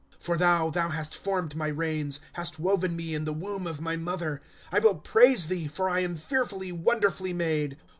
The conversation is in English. ^^ For thou, thou hast formed my reins, Hast woven me in the womb of my mother. " I will praise thee, for I am fearfully, wonderfully made.